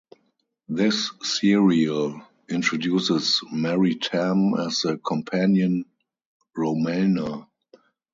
This serial introduces Mary Tamm as the companion Romana.